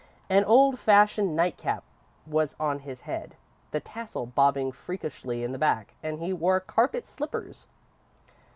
An old fashioned nightcap was on his head, the tassel bobbing freakishly in the back, and he wore carpet slippers.